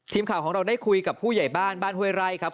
ทีมข่าวของเราได้คุยกับผู้ใหญ่บ้านบ้านห้วยไร่ครับ